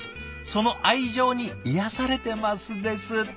その愛情に癒やされてます」ですって。